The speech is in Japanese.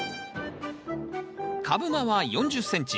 株間は４０ｃｍ。